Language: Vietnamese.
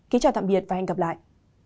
kính chào tạm biệt và hẹn gặp lại